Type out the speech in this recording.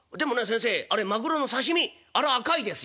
先生あれまぐろの刺身あれ赤いですよ」。